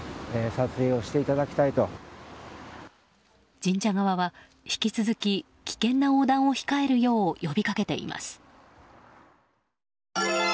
神社側は引き続き危険な横断を控えるよう呼びかけています。